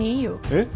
えっ？